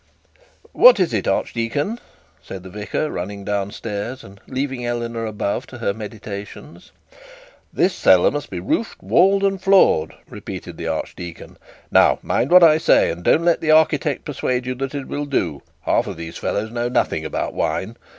'What is it, archdeacon?' said the vicar, running down stairs, and leaving Eleanor above to her meditations. 'This cellar must be roofed, walled, and floored,' repeated the archdeacon. 'Now mind what I say, and don't let the architect persuade you that it will do; half of those fellows know nothing about wine.